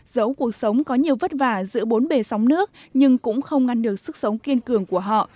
dẫu cuộc sống có nhiều vất vả giữa bốn bề sóng nước nhưng cũng không ngăn được sức sống kiên cường của họ